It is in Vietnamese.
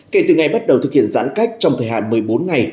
kể từ ngày bắt đầu thực hiện giãn cách trong thời hạn một mươi bốn ngày